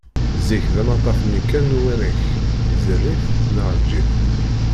Zik d amaṭṭaf-nni kan n Uwanak, ẓer-it, neɣ eǧǧ-it!